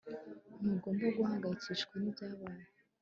Ntugomba guhangayikishwa nibyabaye